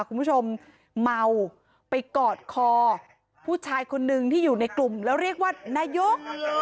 คุณผู้ชมเมาไปกอดคอผู้ชายคนนึงที่อยู่ในกลุ่มแล้วเรียกว่านายก